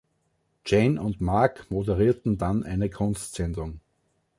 Jane und Mark moderierten dann eine Kunstsendung.